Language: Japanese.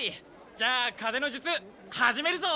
じゃあ風の術始めるぞ！